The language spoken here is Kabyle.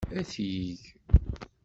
Ad t-yeg.